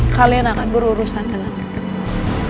kalian akan berurusan dengan dia